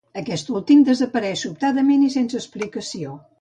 Aquest últim desapareix sobtadament i sense explicació.